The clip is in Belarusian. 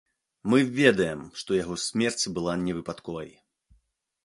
Мы ведаем, што яго смерць была невыпадковай.